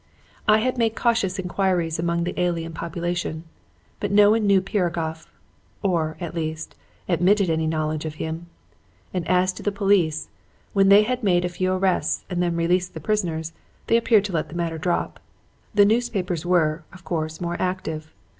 "I had made cautious inquiries among the alien population. But no one knew Piragoff or, at least, admitted any knowledge of him; and as to the police, when they had made a few arrests and then released the prisoners, they appeared to let the matter drop. The newspapers were, of course, more active.